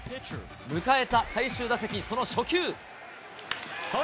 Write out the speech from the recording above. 迎えた最終打席、その初球。